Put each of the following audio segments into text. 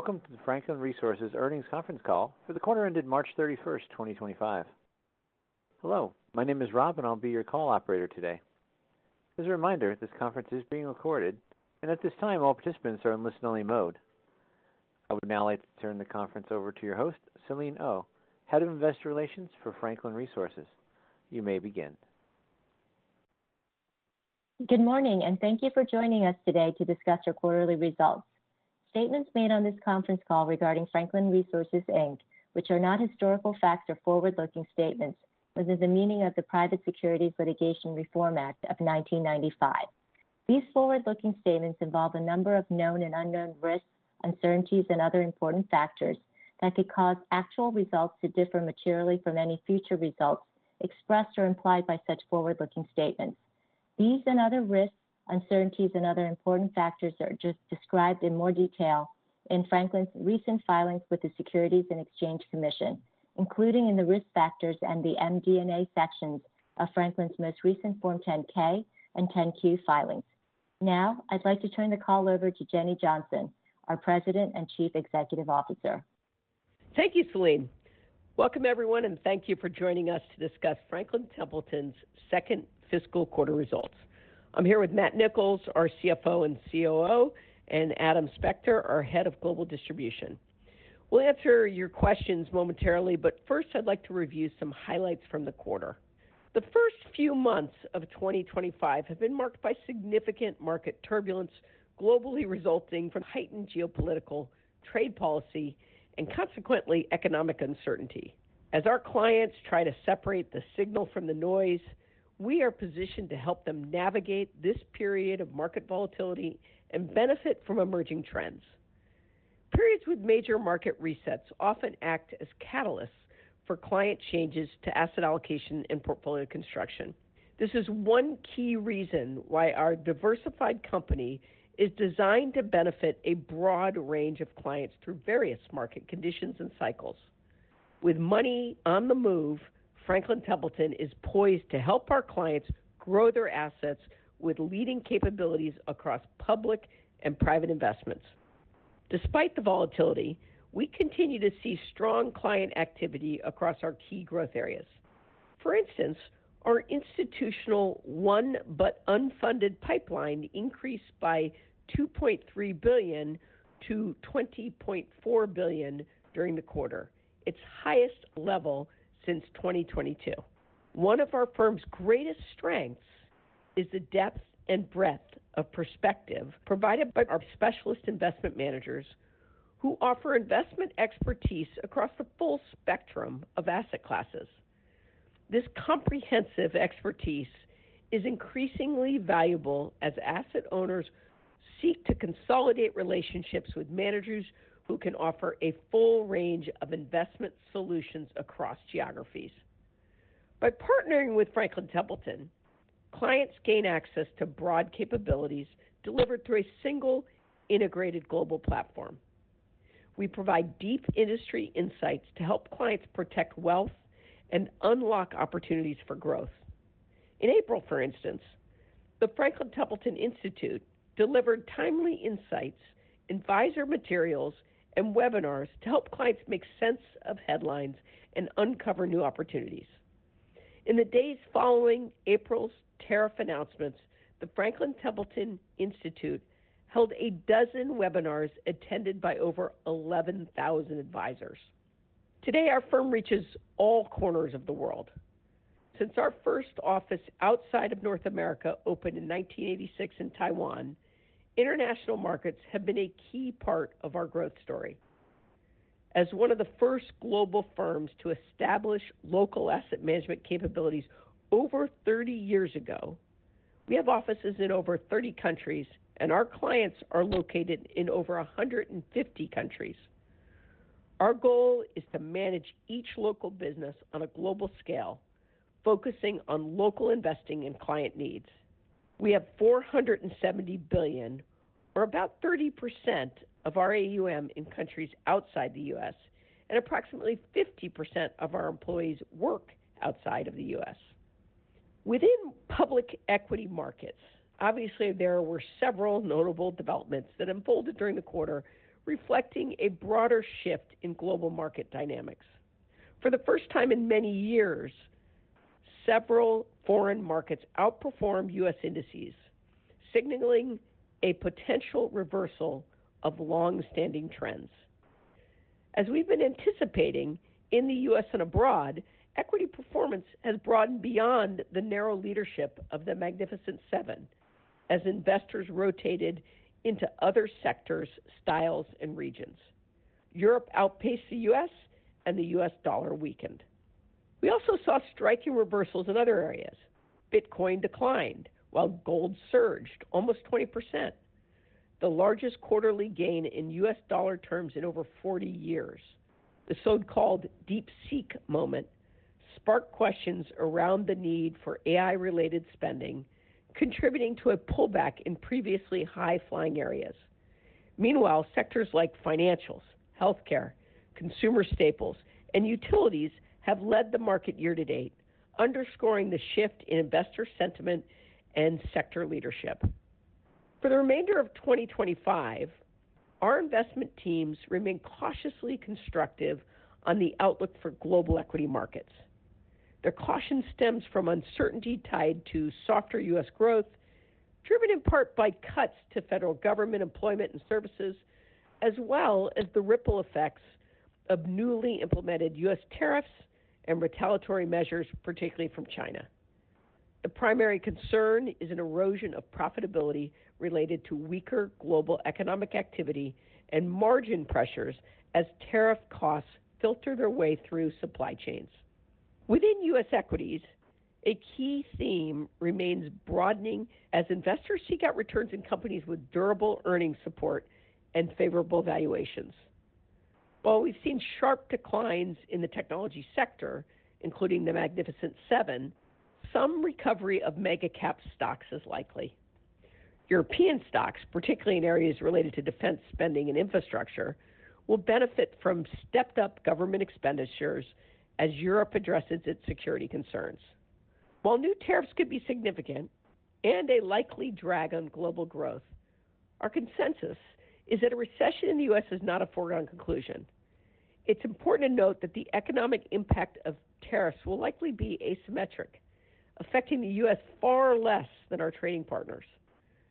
Welcome to the Franklin Resources earnings conference call for the quarter ended March 31st, 2025. Hello, my name is Rob, and I'll be your call operator today. As a reminder, this conference is being recorded, and at this time, all participants are in listen-only mode. I would now like to turn the conference over to your host, Selene Oh, Head of Investor Relations for Franklin Resources. You may begin. Good morning, and thank you for joining us today to discuss your quarterly results. Statements made on this conference call regarding Franklin Resources, which are not historical facts or forward-looking statements, was in the meaning of the Private Securities Litigation Reform Act of 1995. These forward-looking statements involve a number of known and unknown risks, uncertainties, and other important factors that could cause actual results to differ materially from any future results expressed or implied by such forward-looking statements. These and other risks, uncertainties, and other important factors are described in more detail in Franklin's recent filings with the Securities and Exchange Commission, including in the risk factors and the MD&A sections of Franklin's most recent Form 10-K and 10-Q filings. Now, I'd like to turn the call over to Jenny Johnson, our President and Chief Executive Officer. Thank you, Selene. Welcome, everyone, and thank you for joining us to discuss Franklin Templeton's second fiscal quarter results. I'm here with Matt Nicholls, our CFO and COO, and Adam Spector, our Head of Global Distribution. We'll answer your questions momentarily, but first, I'd like to review some highlights from the quarter. The first few months of 2025 have been marked by significant market turbulence globally, resulting from heightened geopolitical trade policy and, consequently, economic uncertainty. As our clients try to separate the signal from the noise, we are positioned to help them navigate this period of market volatility and benefit from emerging trends. Periods with major market resets often act as catalysts for client changes to asset allocation and portfolio construction. This is one key reason why our diversified company is designed to benefit a broad range of clients through various market conditions and cycles. With money on the move, Franklin Templeton is poised to help our clients grow their assets with leading capabilities across public and private investments. Despite the volatility, we continue to see strong client activity across our key growth areas. For instance, our institutional won-but-unfunded pipeline increased by $2.3 billion to $20.4 billion during the quarter, its highest level since 2022. One of our firm's greatest strengths is the depth and breadth of perspective provided by our specialist investment managers, who offer investment expertise across the full spectrum of asset classes. This comprehensive expertise is increasingly valuable as asset owners seek to consolidate relationships with managers who can offer a full range of investment solutions across geographies. By partnering with Franklin Templeton, clients gain access to broad capabilities delivered through a single integrated global platform. We provide deep industry insights to help clients protect wealth and unlock opportunities for growth. In April, for instance, the Franklin Templeton Institute delivered timely insights, advisor materials, and webinars to help clients make sense of headlines and uncover new opportunities. In the days following April's tariff announcements, the Franklin Templeton Institute held a dozen webinars attended by over 11,000 advisors. Today, our firm reaches all corners of the world. Since our first office outside of North America opened in 1986 in Taiwan, international markets have been a key part of our growth story. As one of the first global firms to establish local asset management capabilities over 30 years ago, we have offices in over 30 countries, and our clients are located in over 150 countries. Our goal is to manage each local business on a global scale, focusing on local investing and client needs. We have $470 billion, or about 30% of our AUM, in countries outside the U.S., and approximately 50% of our employees work outside of the U.S. Within public equity markets, obviously, there were several notable developments that unfolded during the quarter, reflecting a broader shift in global market dynamics. For the first time in many years, several foreign markets outperformed U.S. indices, signaling a potential reversal of long-standing trends. As we've been anticipating, in the U.S. and abroad, equity performance has broadened beyond the narrow leadership of the Magnificent Seven, as investors rotated into other sectors, styles, and regions. Europe outpaced the U.S., and the U.S. dollar weakened. We also saw striking reversals in other areas. Bitcoin declined, while gold surged almost 20%, the largest quarterly gain in U.S. dollar terms in over 40 years. The so-called DeepSeek moment sparked questions around the need for AI-related spending, contributing to a pullback in previously high-flying areas. Meanwhile, sectors like financials, healthcare, consumer staples, and utilities have led the market year to date, underscoring the shift in investor sentiment and sector leadership. For the remainder of 2025, our investment teams remain cautiously constructive on the outlook for global equity markets. Their caution stems from uncertainty tied to softer U.S. growth, driven in part by cuts to federal government employment and services, as well as the ripple effects of newly implemented U.S. tariffs and retaliatory measures, particularly from China. The primary concern is an erosion of profitability related to weaker global economic activity and margin pressures as tariff costs filter their way through supply chains. Within U.S. equities, a key theme remains broadening as investors seek out returns in companies with durable earnings support and favorable valuations. While we've seen sharp declines in the technology sector, including the Magnificent Seven, some recovery of mega-cap stocks is likely. European stocks, particularly in areas related to defense spending and infrastructure, will benefit from stepped-up government expenditures as Europe addresses its security concerns. While new tariffs could be significant and a likely drag on global growth, our consensus is that a recession in the U.S. is not a foregone conclusion. It's important to note that the economic impact of tariffs will likely be asymmetric, affecting the U.S. far less than our trading partners.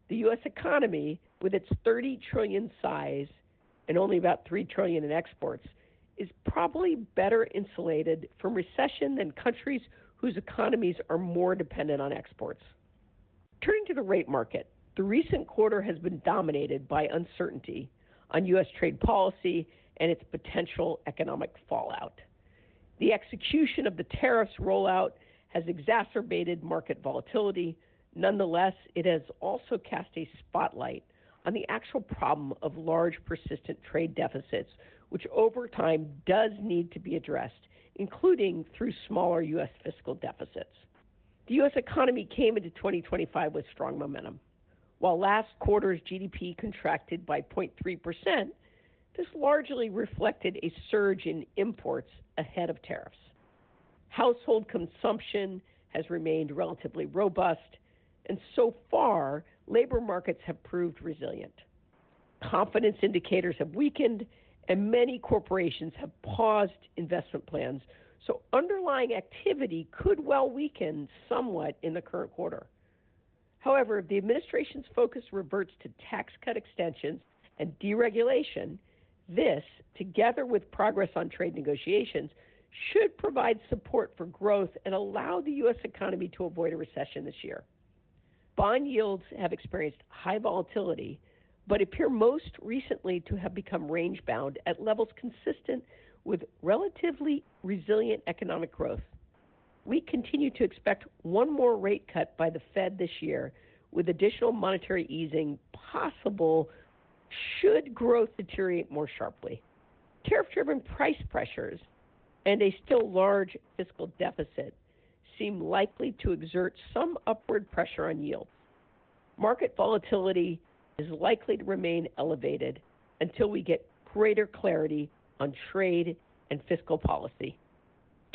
The U.S. economy, with its $30 trillion size and only about $3 trillion in exports, is probably better insulated from recession than countries whose economies are more dependent on exports. Turning to the rate market, the recent quarter has been dominated by uncertainty on U.S. trade policy and its potential economic fallout. The execution of the tariffs roll-out has exacerbated market volatility. Nonetheless, it has also cast a spotlight on the actual problem of large persistent trade deficits, which over time does need to be addressed, including through smaller U.S. fiscal deficits. The U.S. economy came into 2025 with strong momentum. While last quarter's GDP contracted by 0.3%, this largely reflected a surge in imports ahead of tariffs. Household consumption has remained relatively robust, and so far, labor markets have proved resilient. Confidence indicators have weakened, and many corporations have paused investment plans, so underlying activity could well weaken somewhat in the current quarter. However, if the administration's focus reverts to tax cut extensions and deregulation, this, together with progress on trade negotiations, should provide support for growth and allow the U.S. economy to avoid a recession this year. Bond yields have experienced high volatility but appear most recently to have become range-bound at levels consistent with relatively resilient economic growth. We continue to expect one more rate cut by the Fed this year, with additional monetary easing possible should growth deteriorate more sharply. Tariff-driven price pressures and a still large fiscal deficit seem likely to exert some upward pressure on yields. Market volatility is likely to remain elevated until we get greater clarity on trade and fiscal policy.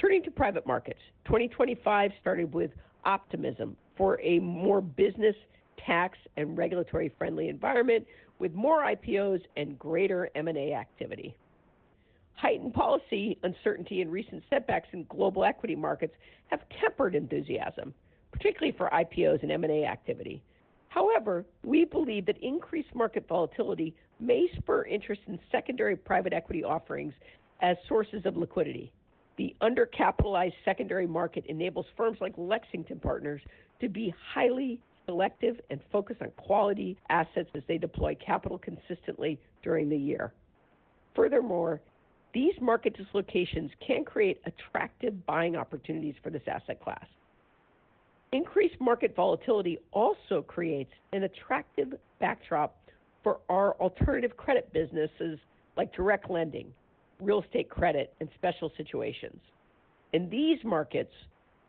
Turning to private markets, 2025 started with optimism for a more business, tax, and regulatory-friendly environment, with more IPOs and greater M&A activity. Heightened policy uncertainty and recent setbacks in global equity markets have tempered enthusiasm, particularly for IPOs and M&A activity. However, we believe that increased market volatility may spur interest in secondary private equity offerings as sources of liquidity. The undercapitalized secondary market enables firms like Lexington Partners to be highly selective and focus on quality assets as they deploy capital consistently during the year. Furthermore, these market dislocations can create attractive buying opportunities for this asset class. Increased market volatility also creates an attractive backdrop for our alternative credit businesses like direct lending, real estate credit, and special situations. In these markets,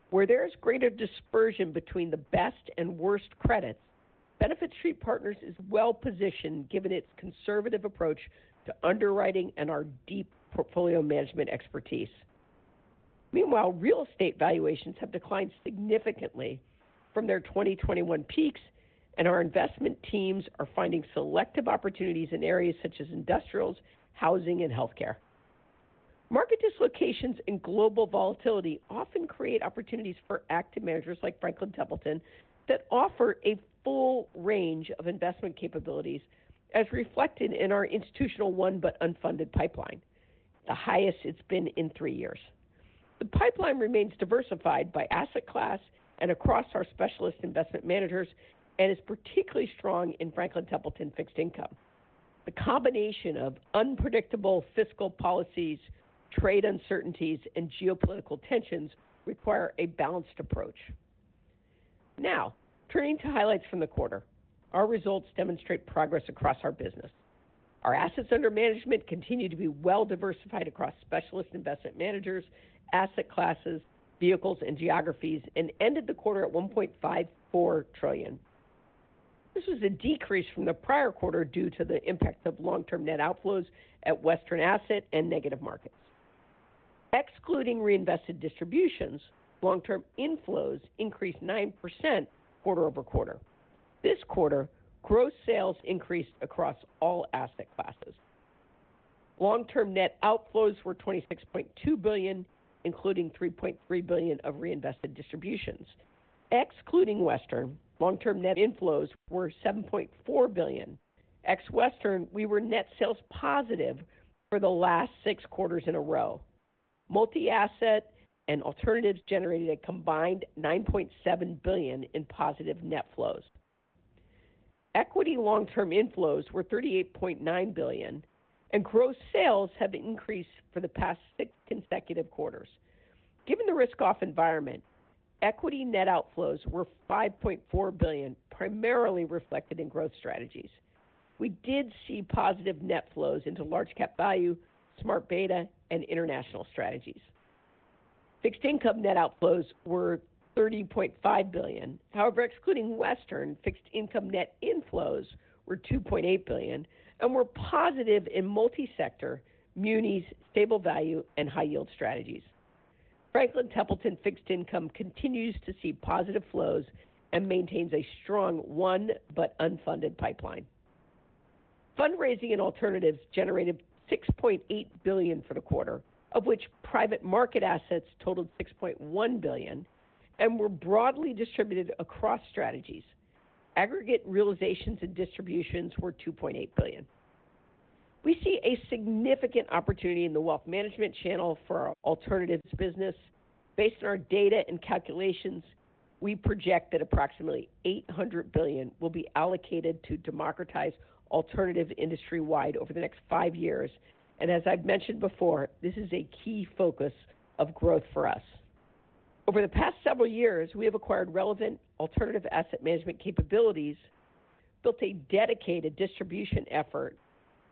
where there is greater dispersion between the best and worst credits, Benefit Street Partners is well-positioned given its conservative approach to underwriting and our deep portfolio management expertise. Meanwhile, real estate valuations have declined significantly from their 2021 peaks, and our investment teams are finding selective opportunities in areas such as industrials, housing, and healthcare. Market dislocations and global volatility often create opportunities for active managers like Franklin Templeton that offer a full range of investment capabilities, as reflected in our institutional won-but-unfunded pipeline, the highest it has been in three years. The pipeline remains diversified by asset class and across our specialist investment managers and is particularly strong in Franklin Templeton fixed income. The combination of unpredictable fiscal policies, trade uncertainties, and geopolitical tensions requires a balanced approach. Now, turning to highlights from the quarter, our results demonstrate progress across our business. Our assets under management continue to be well-diversified across specialist investment managers, asset classes, vehicles, and geographies, and ended the quarter at $1.54 trillion. This was a decrease from the prior quarter due to the impact of long-term net outflows at Western Asset and negative markets. Excluding reinvested distributions, long-term inflows increased 9% quarter over quarter. This quarter, gross sales increased across all asset classes. Long-term net outflows were $26.2 billion, including $3.3 billion of reinvested distributions. Excluding Western, long-term net inflows were $7.4 billion. Ex-Western, we were net sales positive for the last six quarters in a row. Multi-asset and alternatives generated a combined $9.7 billion in positive net flows. Equity long-term inflows were $38.9 billion, and gross sales have increased for the past six consecutive quarters. Given the risk-off environment, equity net outflows were $5.4 billion, primarily reflected in growth strategies. We did see positive net flows into large-cap value, Smart Beta, and international strategies. Fixed income net outflows were $30.5 billion. However, excluding Western, fixed income net inflows were $2.8 billion and were positive in multi-sector, Munis, stable value, and high-yield strategies. Franklin Templeton fixed income continues to see positive flows and maintains a strong won-but-unfunded pipeline. Fundraising and alternatives generated $6.8 billion for the quarter, of which private market assets totaled $6.1 billion and were broadly distributed across strategies. Aggregate realizations and distributions were $2.8 billion. We see a significant opportunity in the wealth management channel for our alternatives business. Based on our data and calculations, we project that approximately $800 billion will be allocated to democratize alternatives industry-wide over the next five years. As I have mentioned before, this is a key focus of growth for us. Over the past several years, we have acquired relevant alternative asset management capabilities, built a dedicated distribution effort,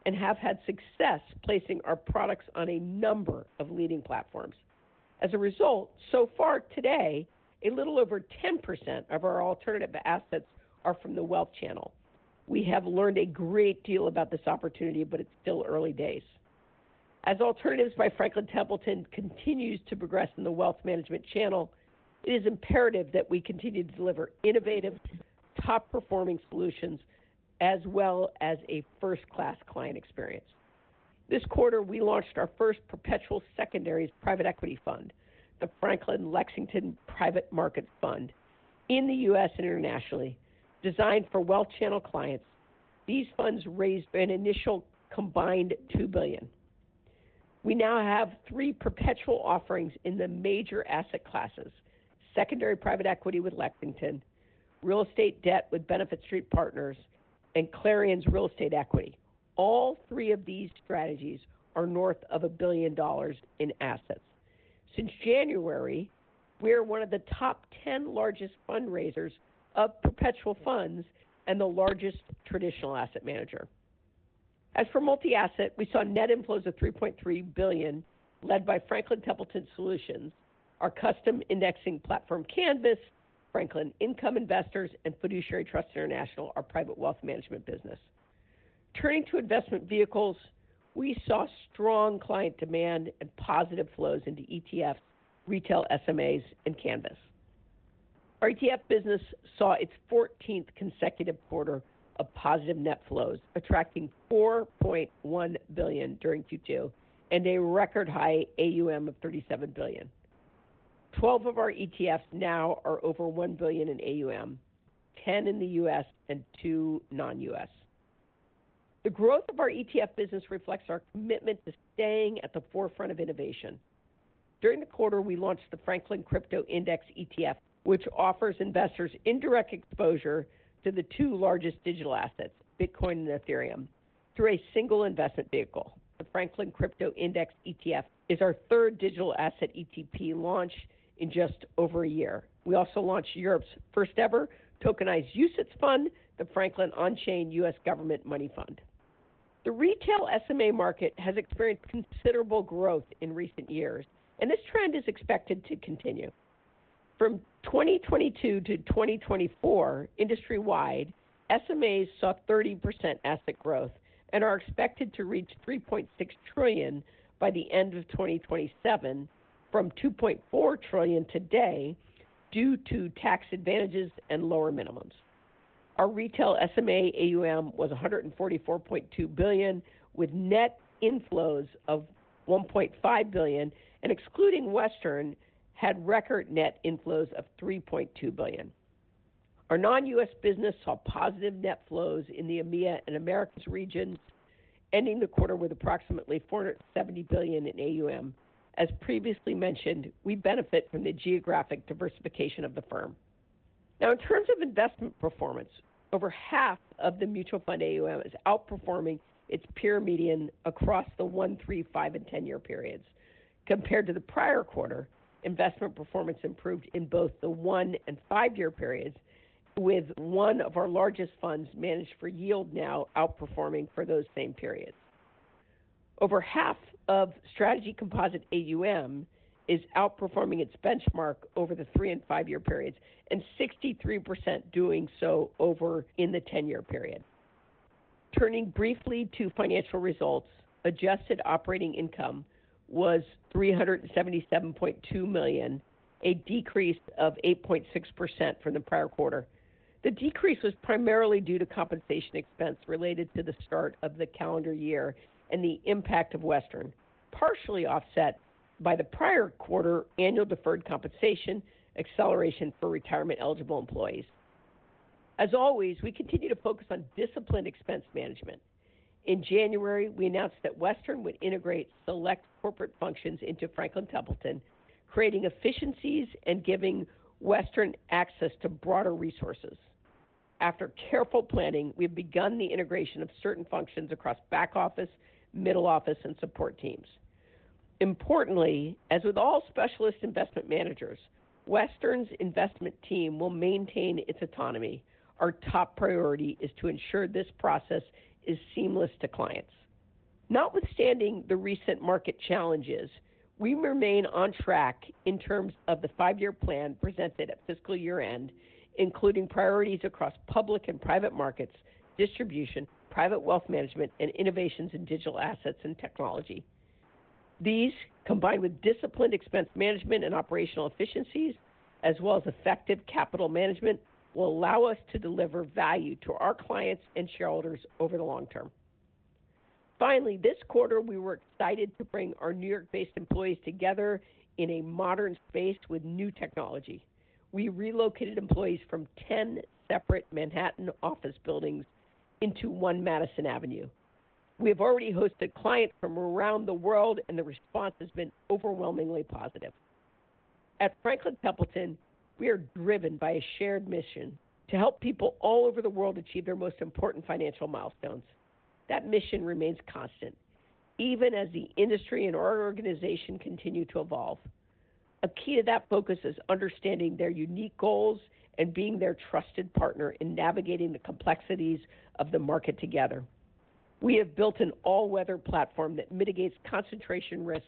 and have had success placing our products on a number of leading platforms. As a result, so far today, a little over 10% of our alternative assets are from the wealth channel. We have learned a great deal about this opportunity, but it is still early days. As alternatives by Franklin Templeton continues to progress in the wealth management channel, it is imperative that we continue to deliver innovative, top-performing solutions as well as a first-class client experience. This quarter, we launched our first perpetual secondary private equity fund, the Franklin Lexington Private Markets Fund, in the U.S. and internationally. Designed for wealth channel clients, these funds raised an initial combined $2 billion. We now have three perpetual offerings in the major asset classes: secondary private equity with Lexington, real estate debt with Benefit Street Partners, and Clarion's real estate equity. All three of these strategies are north of $1 billion in assets. Since January, we are one of the top 10 largest fundraisers of perpetual funds and the largest traditional asset manager. As for multi-asset, we saw net inflows of $3.3 billion led by Franklin Templeton Solutions, our custom indexing platform Canvas, Franklin Income Investors, and Fiduciary Trust International, our private wealth management business. Turning to investment vehicles, we saw strong client demand and positive flows into ETFs, retail SMAs, and Canvas. Our ETF business saw its 14th consecutive quarter of positive net flows, attracting $4.1 billion during Q2 and a record high AUM of $37 billion. Twelve of our ETFs now are over $1 billion in AUM, ten in the U.S., and two non-U.S. The growth of our ETF business reflects our commitment to staying at the forefront of innovation. During the quarter, we launched the Franklin Crypto Index ETF, which offers investors indirect exposure to the two largest digital assets, Bitcoin and Ethereum, through a single investment vehicle. The Franklin Crypto Index ETF is our third digital asset ETP launched in just over a year. We also launched Europe's first-ever tokenized UCITS fund, the Franklin On-Chain U.S. Government Money Fund. The retail SMA market has experienced considerable growth in recent years, and this trend is expected to continue. From 2022 to 2024, industry-wide, SMAs saw 30% asset growth and are expected to reach $3.6 trillion by the end of 2027, from $2.4 trillion today due to tax advantages and lower minimums. Our retail SMA AUM was $144.2 billion, with net inflows of $1.5 billion, and excluding Western Asset, had record net inflows of $3.2 billion. Our non-U.S. business saw positive net flows in the EMEA and Americas regions, ending the quarter with approximately $470 billion in AUM. As previously mentioned, we benefit from the geographic diversification of the firm. Now, in terms of investment performance, over half of the mutual fund AUM is outperforming its peer median across the one, three, five, and ten-year periods. Compared to the prior quarter, investment performance improved in both the one and five-year periods, with one of our largest funds managed for yield now outperforming for those same periods. Over half of strategy composite AUM is outperforming its benchmark over the three and five-year periods, and 63% doing so over in the ten-year period. Turning briefly to financial results, adjusted operating income was $377.2 million, a decrease of 8.6% from the prior quarter. The decrease was primarily due to compensation expense related to the start of the calendar year and the impact of Western, partially offset by the prior quarter annual deferred compensation acceleration for retirement-eligible employees. As always, we continue to focus on disciplined expense management. In January, we announced that Western would integrate select corporate functions into Franklin Templeton, creating efficiencies and giving Western access to broader resources. After careful planning, we have begun the integration of certain functions across back office, middle office, and support teams. Importantly, as with all specialist investment managers, Western's investment team will maintain its autonomy. Our top priority is to ensure this process is seamless to clients. Notwithstanding the recent market challenges, we remain on track in terms of the five-year plan presented at fiscal year-end, including priorities across public and private markets, distribution, private wealth management, and innovations in digital assets and technology. These, combined with disciplined expense management and operational efficiencies, as well as effective capital management, will allow us to deliver value to our clients and shareholders over the long term. Finally, this quarter, we were excited to bring our New York-based employees together in a modern space with new technology. We relocated employees from ten separate Manhattan office buildings into One Madison Avenue. We have already hosted clients from around the world, and the response has been overwhelmingly positive. At Franklin Templeton, we are driven by a shared mission to help people all over the world achieve their most important financial milestones. That mission remains constant, even as the industry and our organization continue to evolve. A key to that focus is understanding their unique goals and being their trusted partner in navigating the complexities of the market together. We have built an all-weather platform that mitigates concentration risks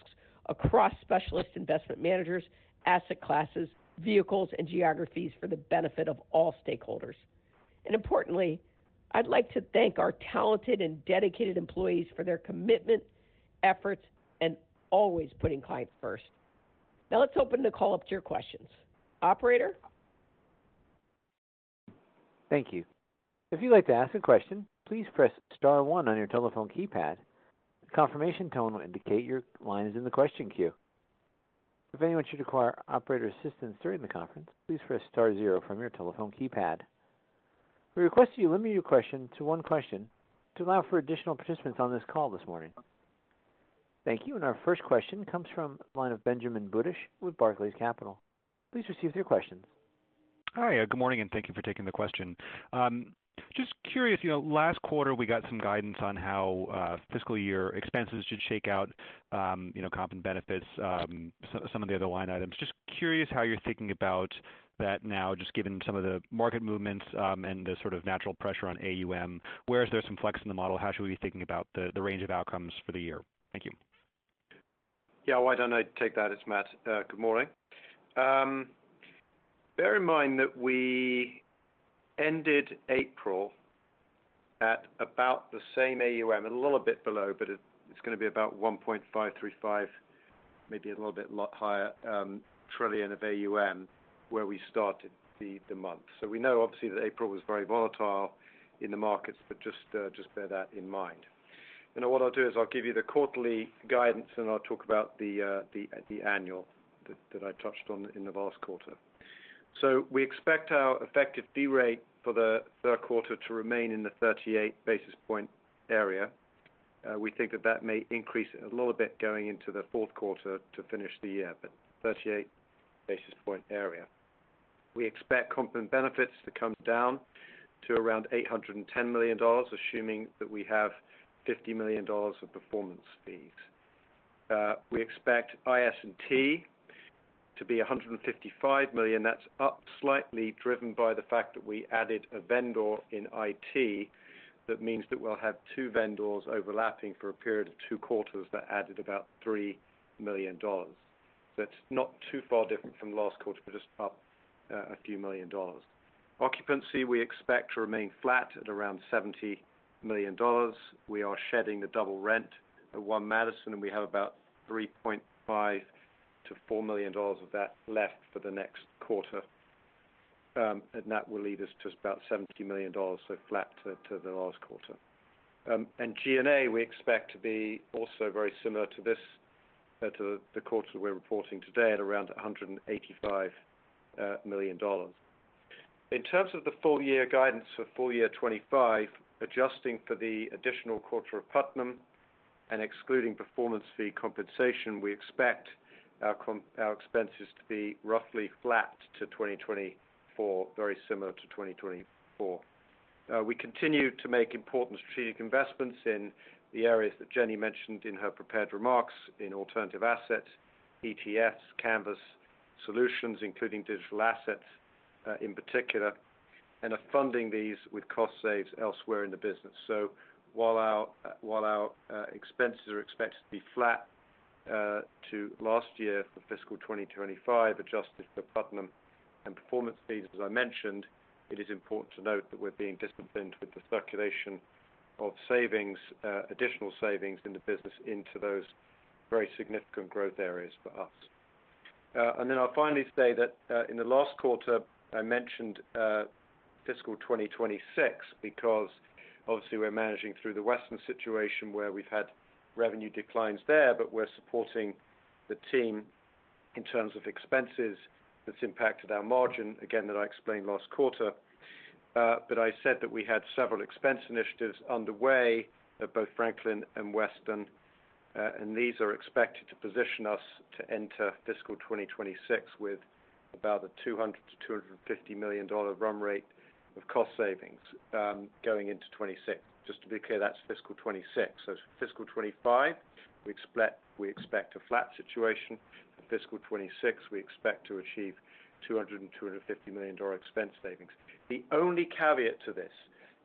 across specialist investment managers, asset classes, vehicles, and geographies for the benefit of all stakeholders. Importantly, I'd like to thank our talented and dedicated employees for their commitment, efforts, and always putting clients first. Now, let's open the call up to your questions. Operator? Thank you. If you'd like to ask a question, please press star one on your telephone keypad. The confirmation tone will indicate your line is in the question queue. If anyone should require operator assistance during the conference, please press star zero from your telephone keypad. We request that you limit your question to one question to allow for additional participants on this call this morning. Thank you. Our first question comes from the line of Benjamin Buddish with Barclays Capital. Please proceed with your questions. Hi. Good morning, and thank you for taking the question. Just curious, last quarter, we got some guidance on how fiscal year expenses should shake out, comp and benefits, some of the other line items. Just curious how you're thinking about that now, just given some of the market movements and the sort of natural pressure on AUM. Where is there some flex in the model? How should we be thinking about the range of outcomes for the year? Thank you. Yeah. Why don't I take that as Matt? Good morning. Bear in mind that we ended April at about the same AUM, a little bit below, but it is going to be about $1.535 trillion, maybe a little bit higher, of AUM where we started the month. We know, obviously, that April was very volatile in the markets, but just bear that in mind. What I'll do is I'll give you the quarterly guidance, and I'll talk about the annual that I touched on in the last quarter. We expect our effective fee rate for the third quarter to remain in the 38 basis points area. We think that that may increase a little bit going into the fourth quarter to finish the year, but 38 basis points area. We expect comp and benefits to come down to around $810 million, assuming that we have $50 million of performance fees. We expect IS&T to be $155 million. That's up slightly, driven by the fact that we added a vendor in IT. That means that we'll have two vendors overlapping for a period of two quarters that added about $3 million. It's not too far different from last quarter, but just up a few million dollars. Occupancy, we expect to remain flat at around $70 million. We are shedding the double rent at One Madison, and we have about $3.5-$4 million of that left for the next quarter. That will lead us to about $70 million, so flat to the last quarter. G&A, we expect to be also very similar to this, to the quarter we're reporting today, at around $185 million. In terms of the full-year guidance for full year 2025, adjusting for the additional quarter of Putnam and excluding performance fee compensation, we expect our expenses to be roughly flat to 2024, very similar to 2024. We continue to make important strategic investments in the areas that Jenny mentioned in her prepared remarks in alternative assets, ETFs, Canvas solutions, including digital assets in particular, and are funding these with cost saves elsewhere in the business. While our expenses are expected to be flat to last year for fiscal 2025, adjusted for Putnam and performance fees, as I mentioned, it is important to note that we're being disciplined with the circulation of savings, additional savings in the business into those very significant growth areas for us. I'll finally say that in the last quarter, I mentioned fiscal 2026 because, obviously, we're managing through the Western situation where we've had revenue declines there, but we're supporting the team in terms of expenses. That's impacted our margin, again, that I explained last quarter. I said that we had several expense initiatives underway at both Franklin and Western, and these are expected to position us to enter fiscal 2026 with about a $200 million-$250 million run rate of cost savings going into 2026. Just to be clear, that's fiscal 2026. Fiscal 2025, we expect a flat situation. Fiscal 2026, we expect to achieve $200 million-$250 million expense savings. The only caveat to this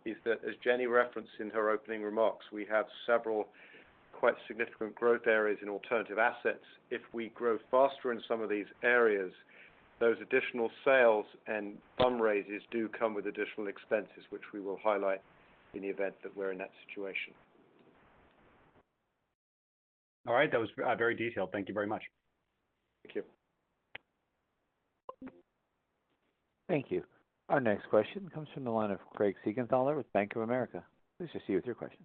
is that, as Jenny referenced in her opening remarks, we have several quite significant growth areas in alternative assets. If we grow faster in some of these areas, those additional sales and fundraisers do come with additional expenses, which we will highlight in the event that we are in that situation. All right. That was very detailed. Thank you very much. Thank you. Thank you. Our next question comes from the line of Craig Siegenthaler with Bank of America. Please proceed with your question.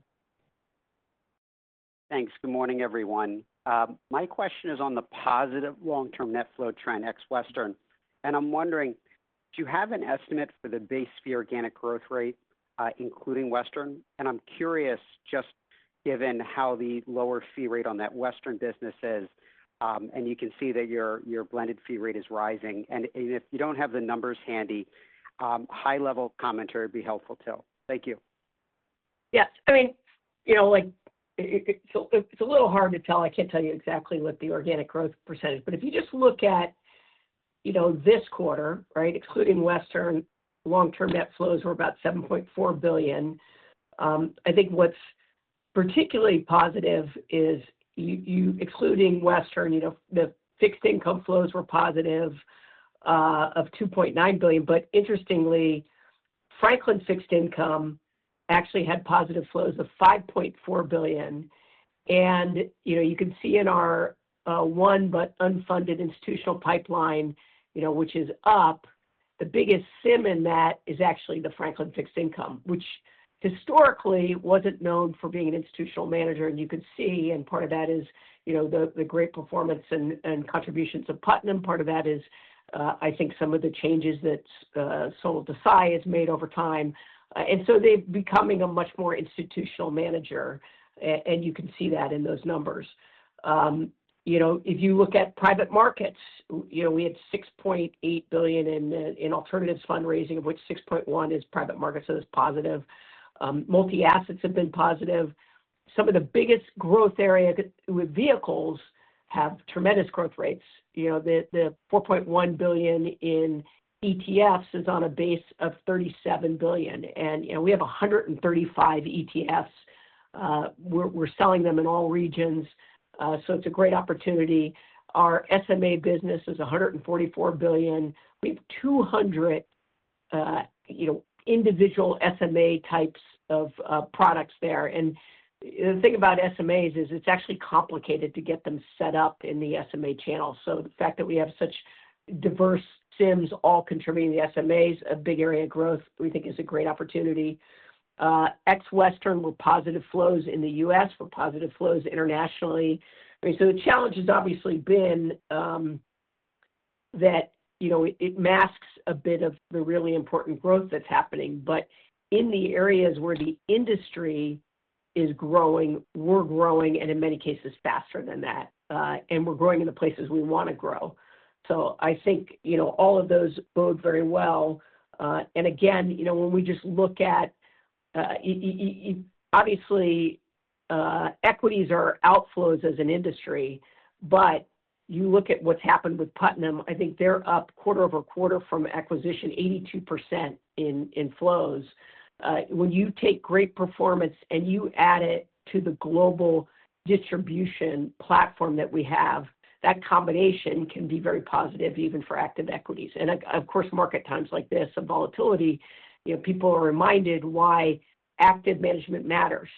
Thanks. Good morning, everyone. My question is on the positive long-term net flow trend ex-Western. And I am wondering, do you have an estimate for the base fee organic growth rate, including Western? I'm curious, just given how the lower fee rate on that Western business is, and you can see that your blended fee rate is rising. If you do not have the numbers handy, high-level commentary would be helpful too. Thank you. Yes. I mean, it's a little hard to tell. I can't tell you exactly what the organic growth % is. If you just look at this quarter, excluding Western, long-term net flows were about $7.4 billion. I think what's particularly positive is, excluding Western, the fixed income flows were positive of $2.9 billion. Interestingly, Franklin fixed income actually had positive flows of $5.4 billion. You can see in our won-but-unfunded institutional pipeline, which is up, the biggest SIM in that is actually the Franklin fixed income, which historically was not known for being an institutional manager. You can see, and part of that is the great performance and contributions of Putnam. Part of that is, I think, some of the changes that Sol Desai has made over time. They are becoming a much more institutional manager. You can see that in those numbers. If you look at private markets, we had $6.8 billion in alternatives fundraising, of which $6.1 billion is private markets, so that is positive. Multi-assets have been positive. Some of the biggest growth area with vehicles have tremendous growth rates. The $4.1 billion in ETFs is on a base of $37 billion. We have 135 ETFs. We are selling them in all regions, so it is a great opportunity. Our SMA business is $144 billion. We have 200 individual SMA types of products there. The thing about SMAs is it is actually complicated to get them set up in the SMA channel. The fact that we have such diverse SIMs all contributing to the SMAs, a big area of growth, we think is a great opportunity. Ex-Western were positive flows in the U.S. We're positive flows internationally. I mean, the challenge has obviously been that it masks a bit of the really important growth that's happening. In the areas where the industry is growing, we're growing, and in many cases, faster than that. We're growing in the places we want to grow. I think all of those bode very well. Again, when we just look at obviously, equities are outflows as an industry. You look at what's happened with Putnam, I think they're up quarter over quarter from acquisition, 82% in flows. When you take great performance and you add it to the global distribution platform that we have, that combination can be very positive even for active equities. Of course, market times like this and volatility, people are reminded why active management matters.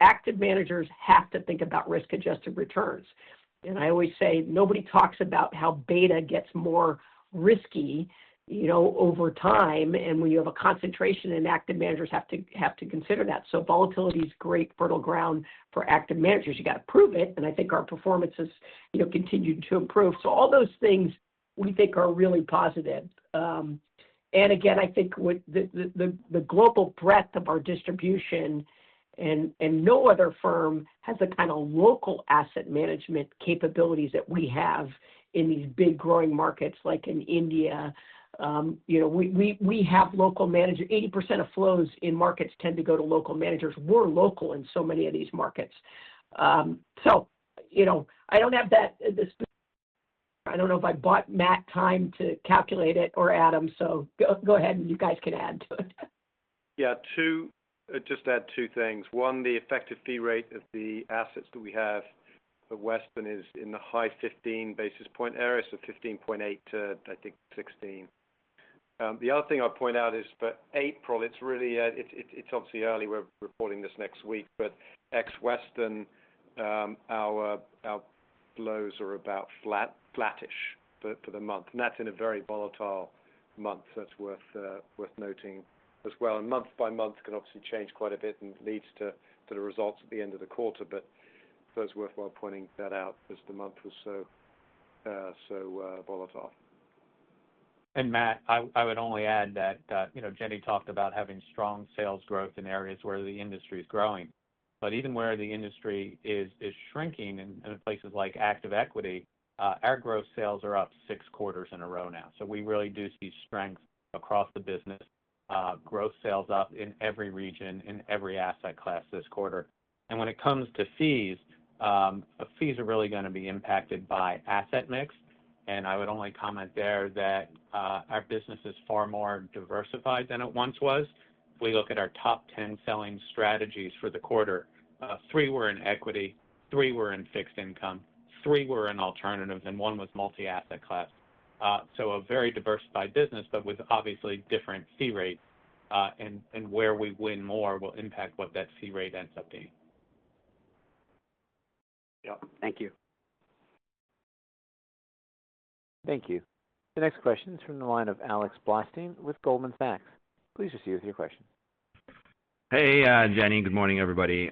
Active managers have to think about risk-adjusted returns. I always say nobody talks about how beta gets more risky over time. When you have a concentration, active managers have to consider that. Volatility is great fertile ground for active managers. You got to prove it. I think our performance has continued to improve. All those things we think are really positive. I think the global breadth of our distribution and no other firm has the kind of local asset management capabilities that we have in these big growing markets like in India. We have local managers. 80% of flows in markets tend to go to local managers. We're local in so many of these markets. I don't have that. I don't know if I bought Matt time to calculate it or Adam. Go ahead, and you guys can add to it. Yeah. Just add two things. One, the effective fee rate of the assets that we have for Western is in the high 15 basis point area, so 15.8 to, I think, 16. The other thing I'll point out is for April, it's obviously early. We're reporting this next week. Ex-Western, our flows are about flattish for the month. That's in a very volatile month. That's worth noting as well. Month by month can obviously change quite a bit and leads to the results at the end of the quarter. It is always worthwhile pointing that out as the month was so volatile. And Matt, I would only add that Jenny talked about having strong sales growth in areas where the industry is growing. Even where the industry is shrinking in places like active equity, our gross sales are up six quarters in a row now. We really do see strength across the business. Gross sales are up in every region, in every asset class this quarter. When it comes to fees, fees are really going to be impacted by asset mix. I would only comment there that our business is far more diversified than it once was. If we look at our top 10 selling strategies for the quarter, three were in equity, three were in fixed income, three were in alternatives, and one was multi-asset class. A very diversified business, but with obviously different fee rates. Where we win more will impact what that fee rate ends up being. Yep. Thank you. Thank you. The next question is from the line of Alex Blostein with Goldman Sachs. Please proceed with your question. Hey, Jenny. Good morning, everybody.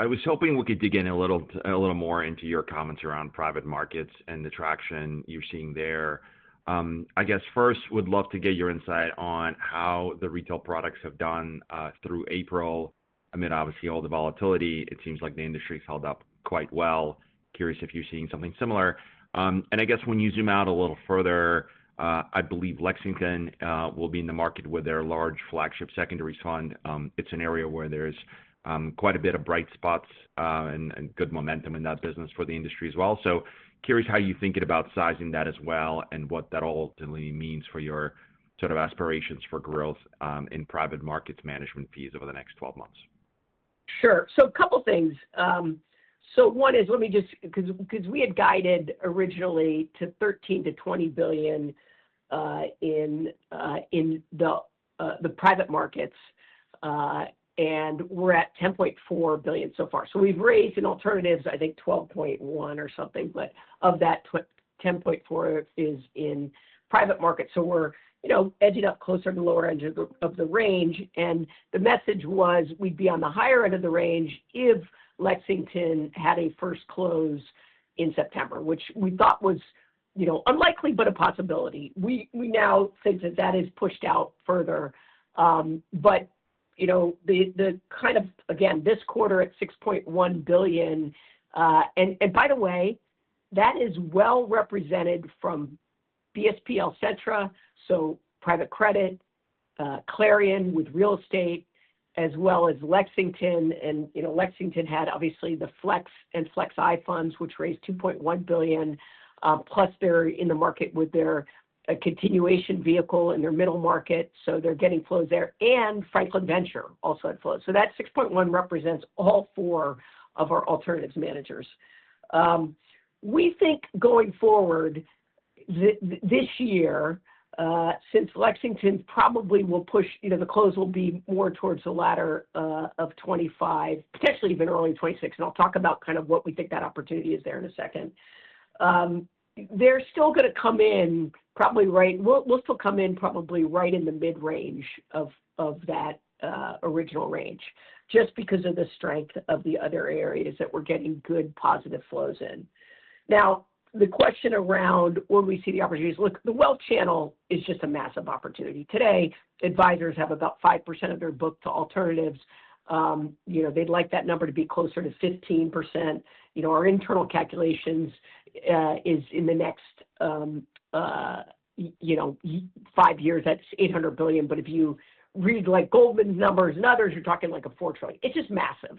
I was hoping we could dig in a little more into your comments around private markets and the traction you're seeing there. I guess first, would love to get your insight on how the retail products have done through April. Amid, obviously, all the volatility, it seems like the industry's held up quite well. Curious if you're seeing something similar. I guess when you zoom out a little further, I believe Lexington will be in the market with their large flagship secondary fund. It's an area where there's quite a bit of bright spots and good momentum in that business for the industry as well. Curious how you're thinking about sizing that as well and what that ultimately means for your sort of aspirations for growth in private markets management fees over the next 12 months. Sure. A couple of things. One is, let me just because we had guided originally to $13 billion-$20 billion in the private markets. We're at $10.4 billion so far. We've raised in alternatives, I think, $12.1 billion or something. Of that, $10.4 billion is in private markets. We're edging up closer to the lower end of the range. The message was we'd be on the higher end of the range if Lexington had a first close in September, which we thought was unlikely, but a possibility. We now think that that is pushed out further. The kind of, again, this quarter at $6.1 billion. By the way, that is well represented from Benefit Street Partners, so private credit, Clarion with real estate, as well as Lexington. Lexington had, obviously, the Flex and Flex-I funds, which raised $2.1 billion. Plus, they are in the market with their continuation vehicle in their middle market. They are getting flows there. Franklin Venture also had flows. That $6.1 billion represents all four of our alternatives managers. We think going forward this year, since Lexington probably will push, the close will be more towards the latter of 2025, potentially even early 2026. I will talk about what we think that opportunity is there in a second. They're still going to come in probably right, we'll still come in probably right in the mid-range of that original range, just because of the strength of the other areas that we're getting good positive flows in. Now, the question around where we see the opportunities, look, the wealth channel is just a massive opportunity. Today, advisors have about 5% of their book to alternatives. They'd like that number to be closer to 15%. Our internal calculations is in the next five years, that's $800 billion. If you read Goldman's numbers and others, you're talking like $4 trillion. It's just massive.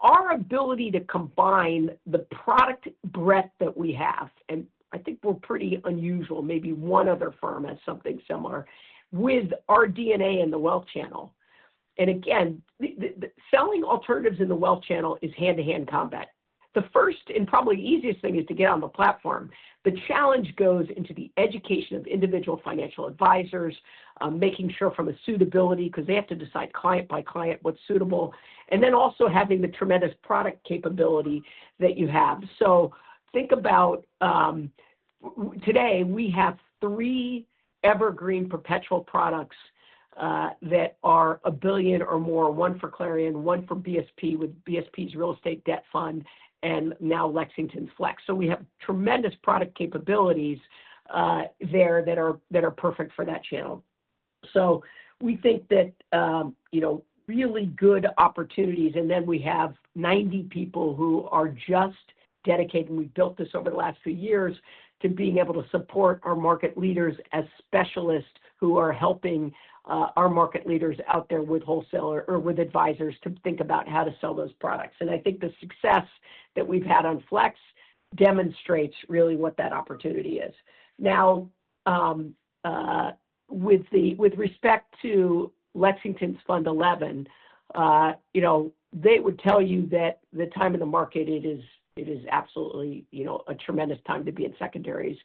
Our ability to combine the product breadth that we have, and I think we're pretty unusual. Maybe one other firm has something similar with our DNA in the wealth channel. Again, selling alternatives in the wealth channel is hand-to-hand combat. The first and probably easiest thing is to get on the platform. The challenge goes into the education of individual financial advisors, making sure from a suitability because they have to decide client by client what's suitable. Also having the tremendous product capability that you have. Think about today, we have three evergreen perpetual products that are a billion or more, one for Clarion, one for BSP with BSP's real estate debt fund, and now Lexington's Flex. We have tremendous product capabilities there that are perfect for that channel. We think that really good opportunities. We have 90 people who are just dedicated, and we've built this over the last few years, to being able to support our market leaders as specialists who are helping our market leaders out there with wholesaler or with advisors to think about how to sell those products. I think the success that we've had on Flex demonstrates really what that opportunity is. Now, with respect to Lexington's Fund 11, they would tell you that the time of the market, it is absolutely a tremendous time to be in secondaries.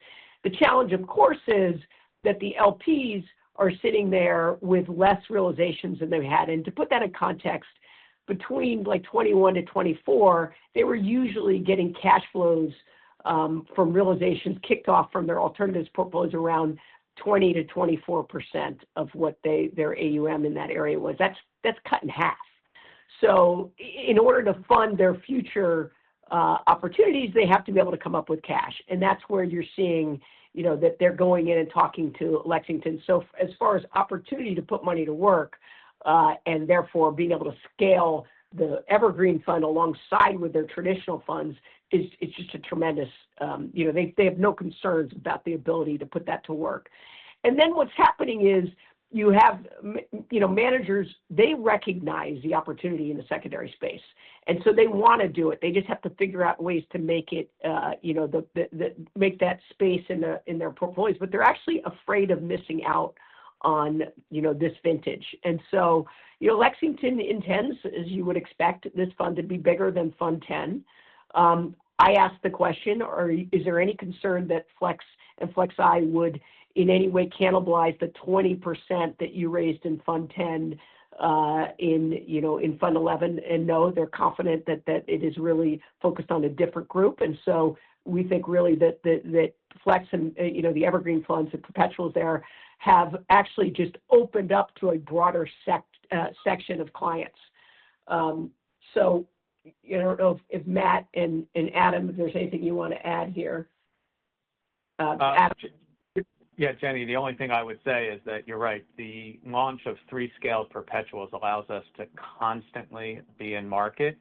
The challenge, of course, is that the LPs are sitting there with less realizations than they've had. To put that in context, between 2021 to 2024, they were usually getting cash flows from realizations kicked off from their alternatives portfolios around 20%-24% of what their AUM in that area was. That is cut in half. In order to fund their future opportunities, they have to be able to come up with cash. That is where you're seeing that they're going in and talking to Lexington. As far as opportunity to put money to work and therefore being able to scale the evergreen fund alongside with their traditional funds, it's just a tremendous, they have no concerns about the ability to put that to work. What's happening is you have managers, they recognize the opportunity in the secondary space. They want to do it. They just have to figure out ways to make it, make that space in their portfolios. They're actually afraid of missing out on this vintage. Lexington intends, as you would expect, this fund to be bigger than Fund 10. I asked the question, is there any concern that Flex and Flex-I would in any way cannibalize the 20% that you raised in Fund 10 in Fund 11? No, they're confident that it is really focused on a different group. We think really that Flex and the evergreen funds and perpetuals there have actually just opened up to a broader section of clients. I do not know if Matt and Adam, if there is anything you want to add here. Yeah, Jenny, the only thing I would say is that you are right. The launch of three-scale perpetuals allows us to constantly be in market.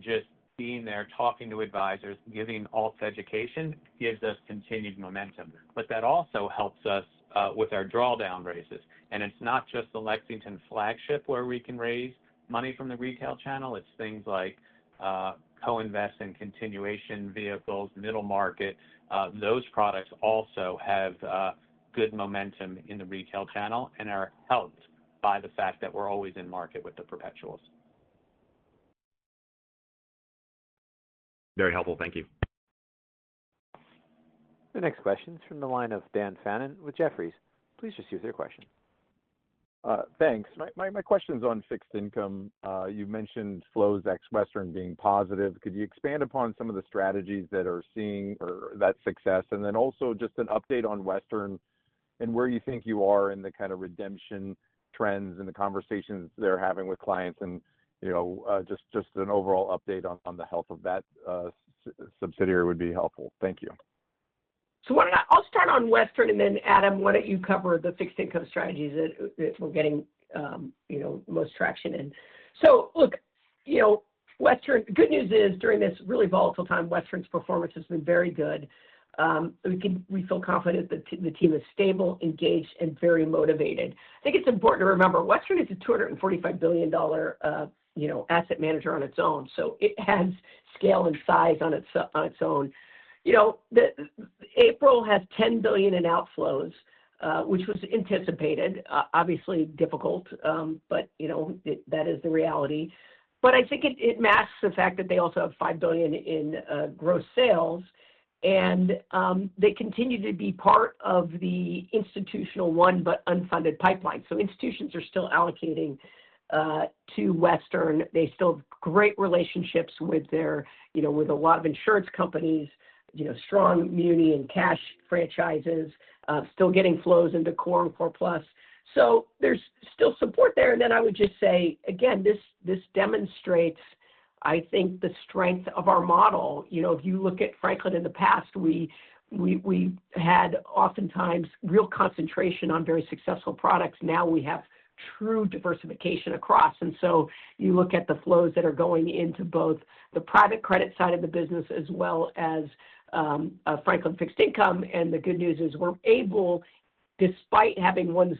Just being there, talking to advisors, giving all education gives us continued momentum. That also helps us with our drawdown raises. It is not just the Lexington flagship where we can raise money from the retail channel. It is things like co-invest and continuation vehicles, middle market. Those products also have good momentum in the retail channel and are helped by the fact that we are always in market with the perpetuals. Very helpful. Thank you. The next question is from the line of Dan Fannon with Jefferies. Please proceed with your question. Thanks. My question's on fixed income. You mentioned flows ex-Western being positive. Could you expand upon some of the strategies that are seeing that success? Also just an update on Western and where you think you are in the kind of redemption trends and the conversations they're having with clients. Just an overall update on the health of that subsidiary would be helpful. Thank you. I'll start on Western and then, Adam, why don't you cover the fixed income strategies that we're getting most traction in. Look, Western, the good news is during this really volatile time, Western's performance has been very good. We feel confident that the team is stable, engaged, and very motivated. I think it's important to remember, Western is a $245 billion asset manager on its own. It has scale and size on its own. April has $10 billion in outflows, which was anticipated. Obviously, difficult, but that is the reality. I think it masks the fact that they also have $5 billion in gross sales. They continue to be part of the institutional one but unfunded pipeline. Institutions are still allocating to Western. They still have great relationships with a lot of insurance companies, strong Munis and cash franchises, still getting flows into Core and Core Plus. There's still support there. I would just say, again, this demonstrates, I think, the strength of our model. If you look at Franklin in the past, we had oftentimes real concentration on very successful products. Now we have true diversification across. You look at the flows that are going into both the private credit side of the business as well as Franklin fixed income. The good news is we're able, despite having one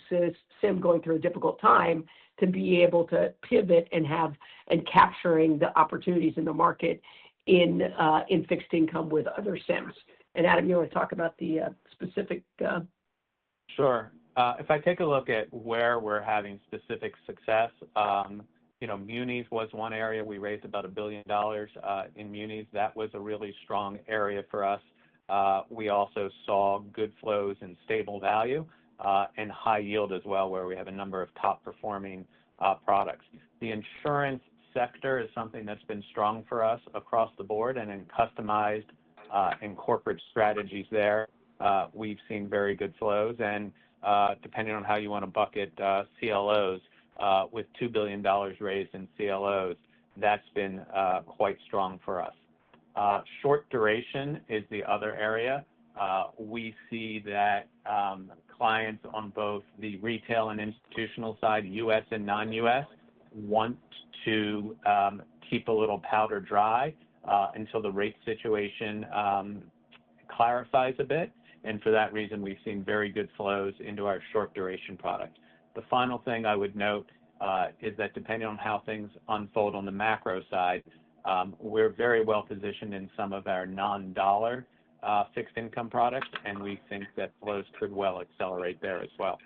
SIM going through a difficult time, to be able to pivot and have and capturing the opportunities in the market in fixed income with other SIMs. Adam, you want to talk about the specific? Sure. If I take a look at where we're having specific success, Munis was one area. We raised about $1 billion in Munis. That was a really strong area for us. We also saw good flows in stable value and high yield as well, where we have a number of top-performing products. The insurance sector is something that's been strong for us across the board. In customized and corporate strategies there, we've seen very good flows. Depending on how you want to bucket CLOs, with $2 billion raised in CLOs, that's been quite strong for us. Short duration is the other area. We see that clients on both the retail and institutional side, U.S. and non-U.S., want to keep a little powder dry until the rate situation clarifies a bit. For that reason, we've seen very good flows into our short-duration product. The final thing I would note is that depending on how things unfold on the macro side, we're very well positioned in some of our non-dollar fixed income products. We think that flows could well accelerate there as well.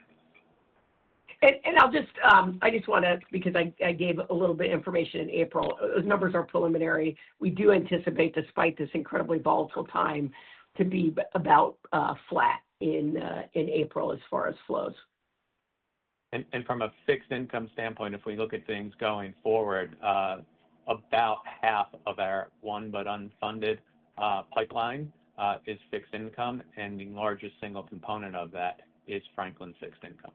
I just want to, because I gave a little bit of information in April, those numbers are preliminary. We do anticipate, despite this incredibly volatile time, to be about flat in April as far as flows. From a fixed income standpoint, if we look at things going forward, about half of our won but unfunded pipeline is fixed income. The largest single component of that is Franklin fixed income.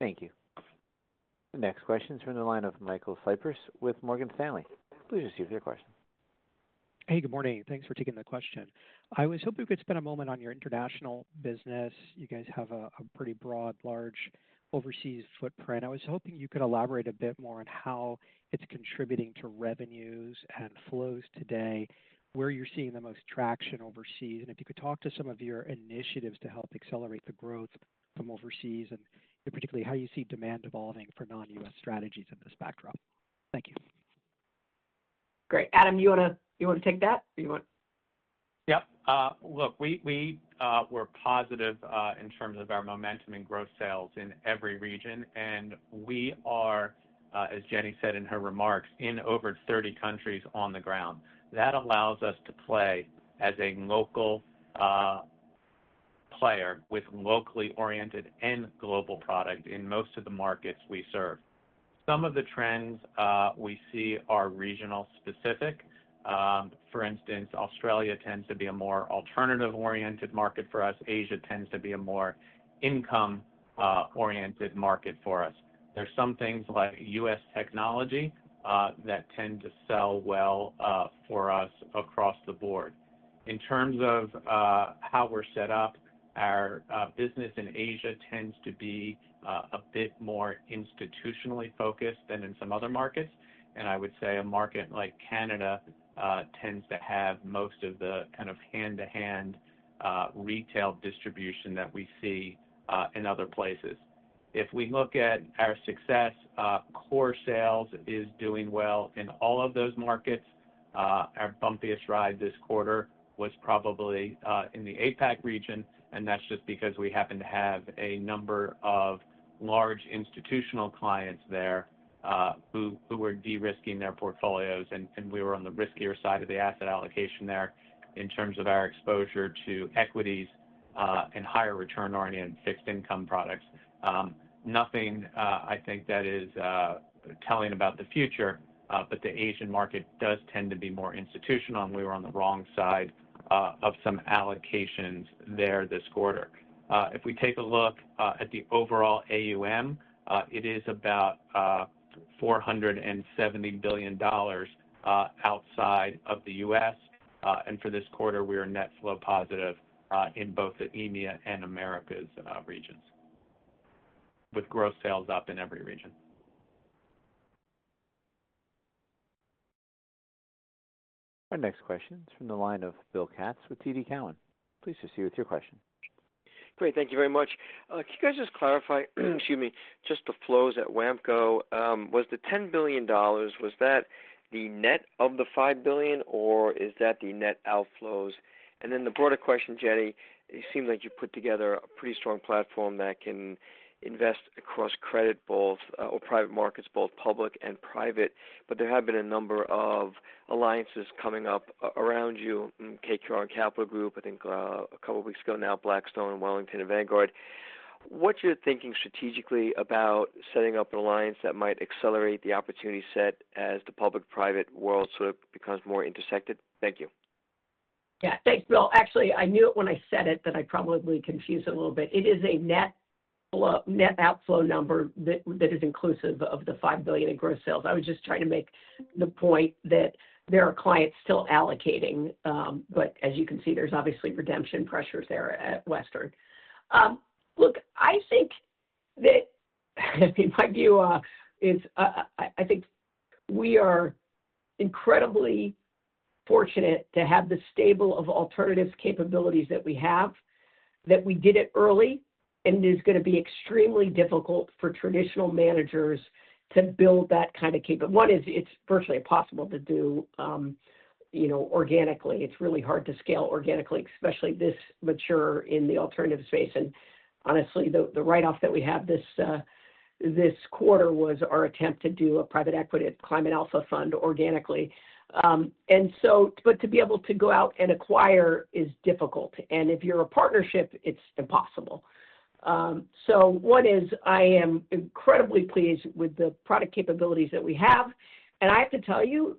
Thank you. The next question is from the line of Michael Cyprys with Morgan Stanley. Please proceed with your question. Hey, good morning. Thanks for taking the question. I was hoping you could spend a moment on your international business. You guys have a pretty broad, large overseas footprint. I was hoping you could elaborate a bit more on how it is contributing to revenues and flows today, where you are seeing the most traction overseas. If you could talk to some of your initiatives to help accelerate the growth from overseas, and particularly how you see demand evolving for non-U.S. strategies in this backdrop. Thank you. Great. Adam, you want to take that? You want? Yeah. Look, we were positive in terms of our momentum in gross sales in every region. We are, as Jenny said in her remarks, in over 30 countries on the ground. That allows us to play as a local player with locally oriented and global product in most of the markets we serve. Some of the trends we see are regional-specific. For instance, Australia tends to be a more alternative-oriented market for us. Asia tends to be a more income-oriented market for us. There are some things like U.S. technology that tend to sell well for us across the board. In terms of how we're set up, our business in Asia tends to be a bit more institutionally focused than in some other markets. I would say a market like Canada tends to have most of the kind of hand-to-hand retail distribution that we see in other places. If we look at our success, core sales is doing well in all of those markets. Our bumpiest ride this quarter was probably in the APAC region. That is just because we happen to have a number of large institutional clients there who were de-risking their portfolios. We were on the riskier side of the asset allocation there in terms of our exposure to equities and higher return-oriented fixed income products. Nothing, I think, that is telling about the future. The Asian market does tend to be more institutional. We were on the wrong side of some allocations there this quarter. If we take a look at the overall AUM, it is about $470 billion outside of the U.S. For this quarter, we are net flow positive in both the EMEA and Americas regions, with gross sales up in every region. Our next question is from the line of Bill Katz with TD Cowen. Please proceed with your question. Great. Thank you very much. Can you guys just clarify, excuse me, just the flows at WAMCO? Was the $10 billion, was that the net of the $5 billion, or is that the net outflows? And then the broader question, Jenny, it seemed like you put together a pretty strong platform that can invest across credit or private markets, both public and private. There have been a number of alliances coming up around you, KKR and Capital Group, I think a couple of weeks ago now, Blackstone, Wellington, and Vanguard. What's your thinking strategically about setting up an alliance that might accelerate the opportunity set as the public-private world sort of becomes more intersected? Thank you. Yeah. Thanks, Bill. Actually, I knew it when I said it that I probably confused it a little bit. It is a net outflow number that is inclusive of the $5 billion in gross sales. I was just trying to make the point that there are clients still allocating. As you can see, there's obviously redemption pressures there at Western. Look, I think that my view is I think we are incredibly fortunate to have the stable of alternatives capabilities that we have, that we did it early. It is going to be extremely difficult for traditional managers to build that kind of capability. One, it's virtually impossible to do organically. It's really hard to scale organically, especially this mature in the alternative space. Honestly, the write-off that we have this quarter was our attempt to do a private equity at Climate Alpha Fund organically. To be able to go out and acquire is difficult. If you're a partnership, it's impossible. One is I am incredibly pleased with the product capabilities that we have. I have to tell you,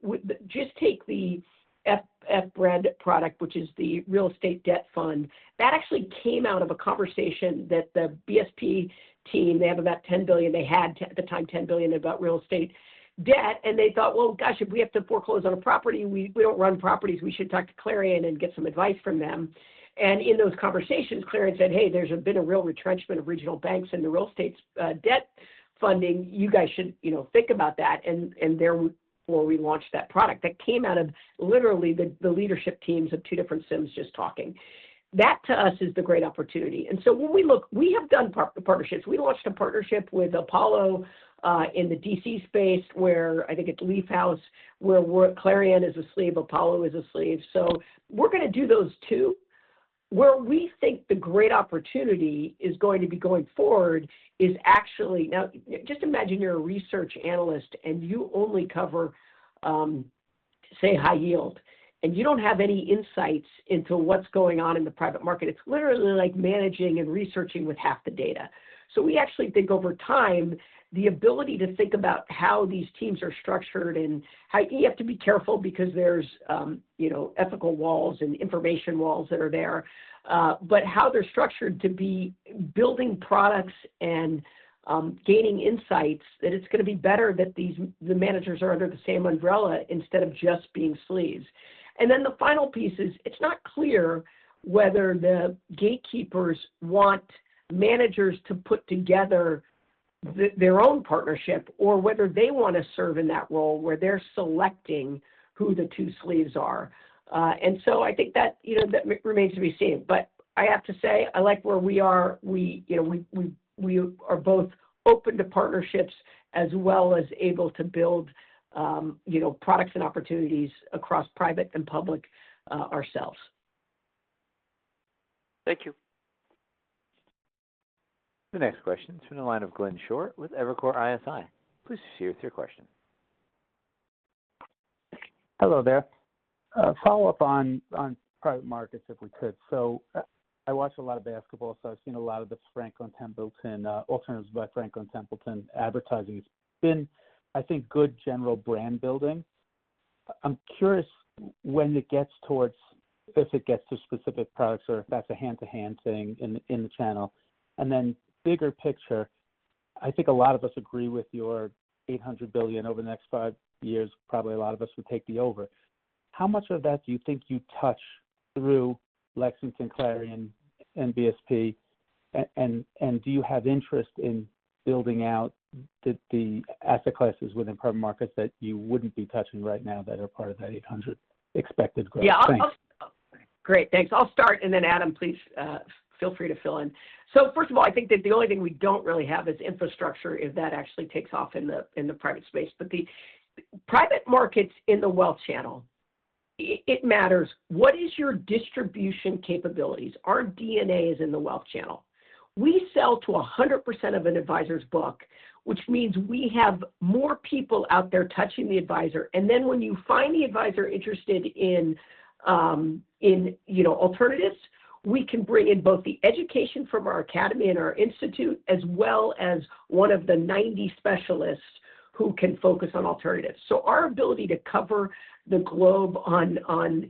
just take the FBRE product, which is the real estate debt fund. That actually came out of a conversation that the BSP team, they have about $10 billion. They had at the time $10 billion about real estate debt. They thought, "Well, gosh, if we have to foreclose on a property, we don't run properties. We should talk to Clarion and get some advice from them." In those conversations, Clarion said, "Hey, there's been a real retrenchment of regional banks in the real estate debt funding. You guys should think about that." Therefore we launched that product. That came out of literally the leadership teams of two different SIMs just talking. That to us is the great opportunity. When we look, we have done partnerships. We launched a partnership with Apollo in the DC space, where I think it's LeafHouse, where Clarion is a sleeve, Apollo is a sleeve. We are going to do those two. Where we think the great opportunity is going to be going forward is actually now just imagine you're a research analyst and you only cover, say, high yield. You don't have any insights into what's going on in the private market. It's literally like managing and researching with half the data. We actually think over time, the ability to think about how these teams are structured and how you have to be careful because there's ethical walls and information walls that are there. But how they're structured to be building products and gaining insights, that it's going to be better that the managers are under the same umbrella instead of just being sleeves. The final piece is it's not clear whether the gatekeepers want managers to put together their own partnership or whether they want to serve in that role where they're selecting who the two sleeves are. I think that remains to be seen. I have to say, I like where we are. We are both open to partnerships as well as able to build products and opportunities across private and public ourselves. Thank you. The next question is from the line of Glenn Schorr with Evercore ISI. Please proceed with your question. Hello there. Follow up on private markets if we could. I watch a lot of basket ball. I've seen a lot of the Franklin Templeton alternatives by Franklin Templeton advertising. It's been, I think, good general brand building. I'm curious when it gets towards if it gets to specific products or if that's a hand-to-hand thing in the channel. Bigger picture, I think a lot of us agree with your $800 billion over the next five years. Probably a lot of us would take the over. How much of that do you think you touch through Lexington, Clarion, and BSP? Do you have interest in building out the asset classes within private markets that you wouldn't be touching right now that are part of that $800 billion expected growth? Yeah. Great. Thanks. I'll start. Adam, please feel free to fill in. First of all, I think that the only thing we do not really have is infrastructure if that actually takes off in the private space. The private markets in the wealth channel, it matters. What is your distribution capabilities? Our D&A is in the wealth channel. We sell to 100% of an advisor's book, which means we have more people out there touching the advisor. When you find the advisor interested in alternatives, we can bring in both the education from our academy and our institute as well as one of the 90 specialists who can focus on alternatives. Our ability to cover the globe in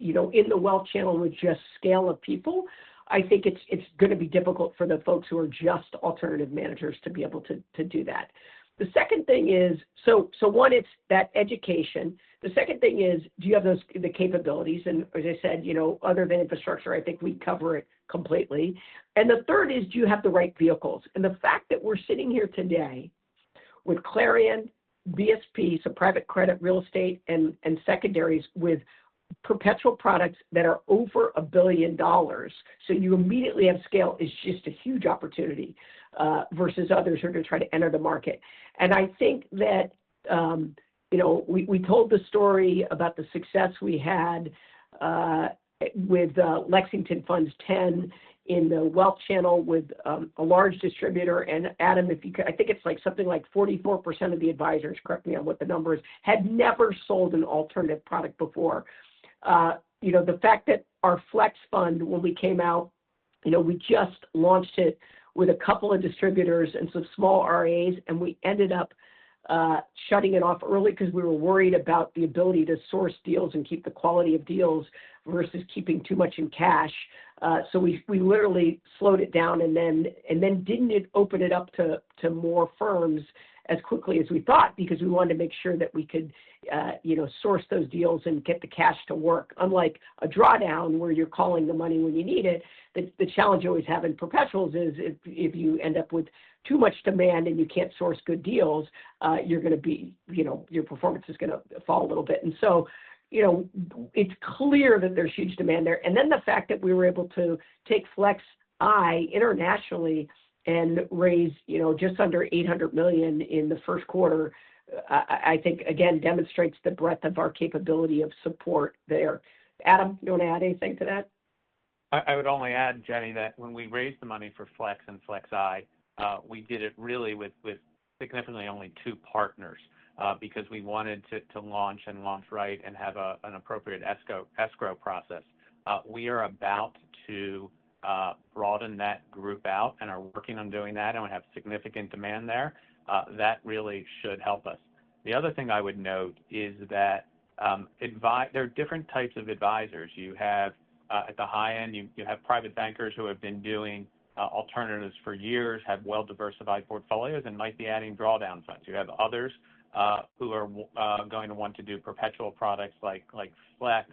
the wealth channel with just scale of people, I think it is going to be difficult for the folks who are just alternative managers to be able to do that. The second thing is, one, it is that education. The second thing is, do you have the capabilities? As I said, other than infrastructure, I think we cover it completely. The third is, do you have the right vehicles? The fact that we're sitting here today with Clarion, BSP, so private credit real estate and secondaries with perpetual products that are over $1 billion, you immediately have scale, is just a huge opportunity versus others who are going to try to enter the market. I think that we told the story about the success we had with Lexington Fund X in the wealth channel with a large distributor. Adam, if you could, I think it's like something like 44% of the advisors, correct me on what the number is, had never sold an alternative product before. The fact that our Flex Fund, when we came out, we just launched it with a couple of distributors and some small RIAs, and we ended up shutting it off early because we were worried about the ability to source deals and keep the quality of deals versus keeping too much in cash. We literally slowed it down and then did not open it up to more firms as quickly as we thought because we wanted to make sure that we could source those deals and get the cash to work. Unlike a drawdown where you are calling the money when you need it, the challenge you always have in perpetuals is if you end up with too much demand and you cannot source good deals, your performance is going to fall a little bit. It is clear that there is huge demand there. The fact that we were able to take Flex-I Fund internationally and raise just under $800 million in the first quarter, I think, again, demonstrates the breadth of our capability of support there. Adam, do you want to add anything to that? I would only add, Jenny, that when we raised the money for Flex Fund and Flex-I Fund, we did it really with significantly only two partners because we wanted to launch and launch right and have an appropriate escrow process. We are about to broaden that group out and are working on doing that. We have significant demand there. That really should help us. The other thing I would note is that there are different types of advisors. At the high end, you have private bankers who have been doing alternatives for years, have well-diversified portfolios, and might be adding drawdown funds. You have others who are going to want to do perpetual products like Flex,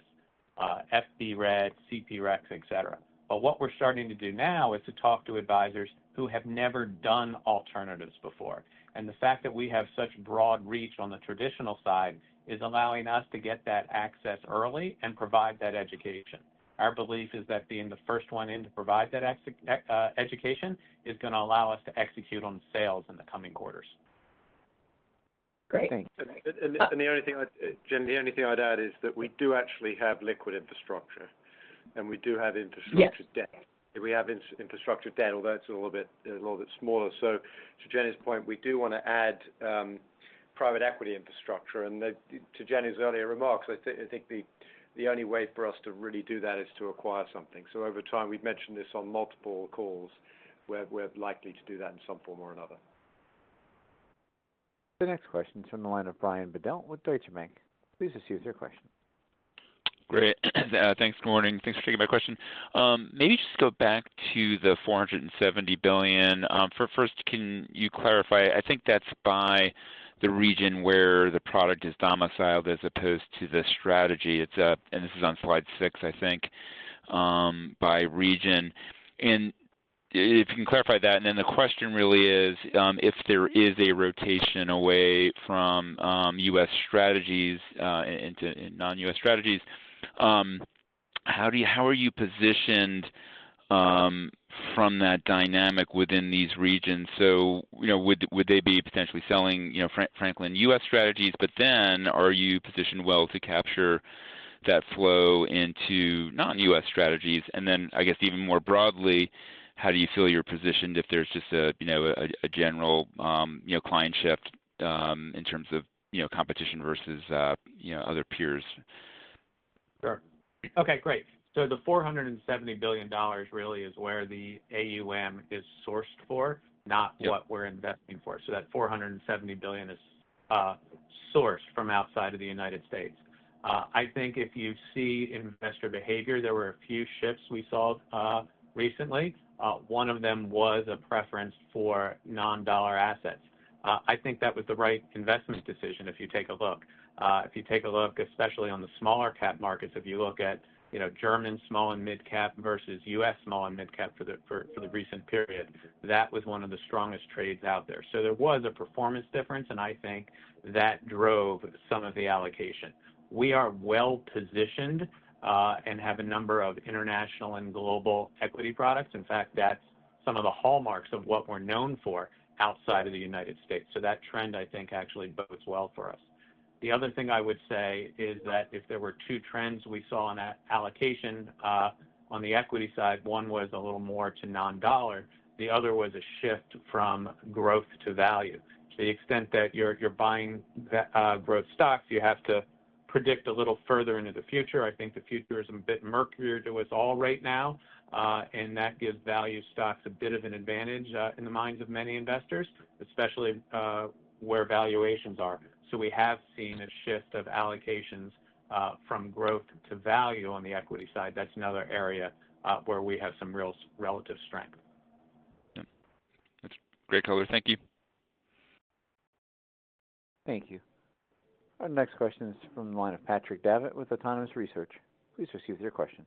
FBRE, CPREX, et cetera. What we are starting to do now is to talk to advisors who have never done alternatives before. The fact that we have such broad reach on the traditional side is allowing us to get that access early and provide that education. Our belief is that being the first one in to provide that education is going to allow us to execute on sales in the coming quarters. Great. The only thing I would add is that we do actually have liquid infrastructure. We do have infrastructure debt. We have infrastructure debt, although it is a little bit smaller. To Jenny's point, we do want to add private equity infrastructure. To Jenny's earlier remarks, I think the only way for us to really do that is to acquire something. Over time, we've mentioned this on multiple calls where we're likely to do that in some form or another. The next question is from the line of Brian Bedell with Deutsche Bank. Please proceed with your question. Great. Thanks for taking my question. Maybe just go back to the $470 billion. First, can you clarify? I think that's by the region where the product is domiciled as opposed to the strategy. This is on slide six, I think, by region. If you can clarify that. The question really is, if there is a rotation away from U.S. strategies into non-U.S. strategies, how are you positioned from that dynamic within these regions? Would they be potentially selling Franklin U.S. strategies? Are you positioned well to capture that flow into non-U.S. strategies? I guess even more broadly, how do you feel you're positioned if there's just a general client shift in terms of competition versus other peers? Sure. Okay. Great. The $470 billion really is where the AUM is sourced for, not what we're investing for. That $470 billion is sourced from outside of the United States. I think if you see investor behavior, there were a few shifts we saw recently. One of them was a preference for non-dollar assets. I think that was the right investment decision if you take a look. If you take a look, especially on the smaller cap markets, if you look at German small and mid-cap versus U.S. small and mid-cap for the recent period, that was one of the strongest trades out there. There was a performance difference, and I think that drove some of the allocation. We are well-positioned and have a number of international and global equity products. In fact, that's some of the hallmarks of what we're known for outside of the U.S. That trend, I think, actually bodes well for us. The other thing I would say is that if there were two trends we saw on that allocation on the equity side, one was a little more to non-dollar. The other was a shift from growth to value. To the extent that you're buying growth stocks, you have to predict a little further into the future. I think the future is a bit murkier to us all right now. That gives value stocks a bit of an advantage in the minds of many investors, especially where valuations are. We have seen a shift of allocations from growth to value on the equity side. That's another area where we have some real relative strength. That's great. Thank you. Thank you. Our next question is from the line of Patrick Davitt with Autonomous Research. Please proceed with your question.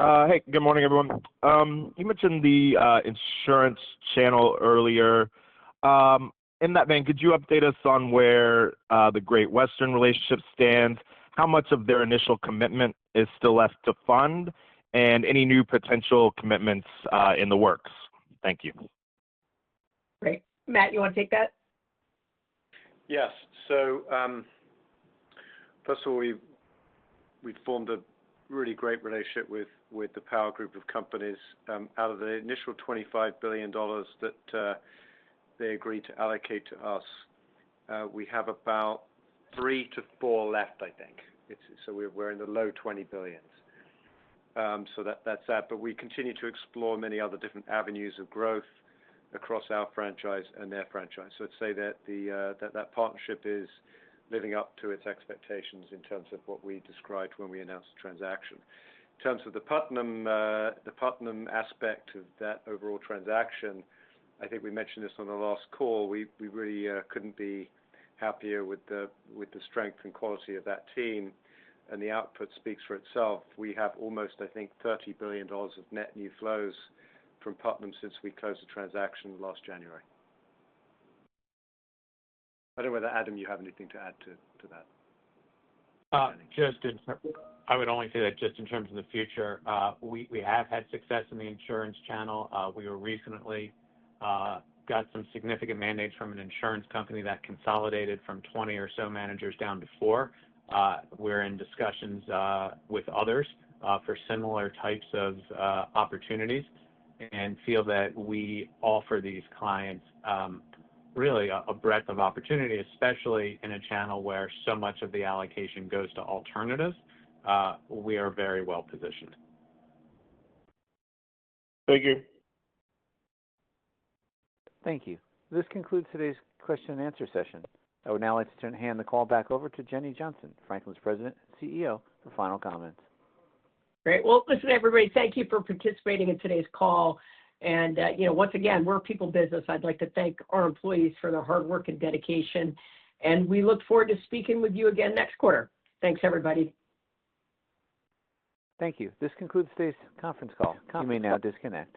Hey. Good morning, everyone. You mentioned the insurance channel earlier. In that vein, could you update us on where the Great-West relationship stands? How much of their initial commitment is still left to fund? And any new potential commitments in the works? Thank you. Great. Matt, you want to take that? Yes. First of all, we've formed a really great relationship with the Power Group of companies. Out of the initial $25 billion that they agreed to allocate to us, we have about three to four left, I think. We're in the low $20 billions. That's that. We continue to explore many other different avenues of growth across our franchise and their franchise. I would say that that partnership is living up to its expectations in terms of what we described when we announced the transaction. In terms of the Putnam aspect of that overall transaction, I think we mentioned this on the last call. We really could not be happier with the strength and quality of that team. The output speaks for itself. We have almost, I think, $30 billion of net new flows from Putnam since we closed the transaction last January. I do not know whether, Adam, you have anything to add to that. Just in terms, I would only say that just in terms of the future, we have had success in the insurance channel. We recently got some significant mandates from an insurance company that consolidated from 20 or so managers down to four. We're in discussions with others for similar types of opportunities and feel that we offer these clients really a breadth of opportunity, especially in a channel where so much of the allocation goes to alternatives. We are very well-positioned. Thank you. Thank you. This concludes today's question and answer session. I would now like to turn the call back over to Jenny Johnson, Franklin's President and CEO, for final comments. Great. Listen, everybody, thank you for participating in today's call. Once again, we're a people business. I'd like to thank our employees for their hard work and dedication. We look forward to speaking with you again next quarter. Thanks, everybody. Thank you. This concludes today's conference call. You may now disconnect.